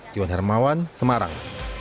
tiong hermawan semarang